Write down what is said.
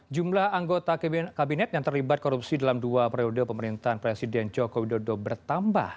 jumlah anggota kabinet yang terlibat korupsi dalam dua periode pemerintahan presiden joko widodo bertambah